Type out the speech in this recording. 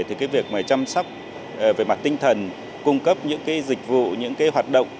thì việc chăm sóc về mặt tinh thần cung cấp những dịch vụ những hoạt động